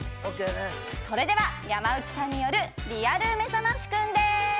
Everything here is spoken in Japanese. それでは、山内さんによるリアルめざましくんです。